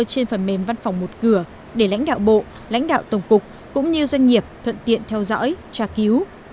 trên phần mềm văn phòng một cửa để lãnh đạo bộ lãnh đạo tổng cục cũng như doanh nghiệp thuận tiện theo dõi tra cứu